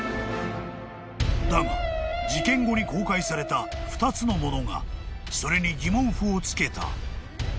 ［だが事件後に公開された２つのものがそれに疑問符をつけた］